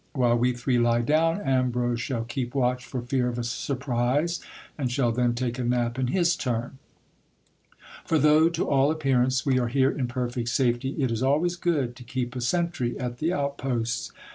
While we three lie down, Ambrose shall keep watch for fear of £. surprise, and shall then take a nap in his turn. For though, to all appearance, we are here in perfect safety, it is always good to keep a sentry at the out posts.